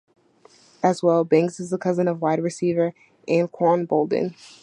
As well, Banks is a cousin of wide receiver Anquan Boldin.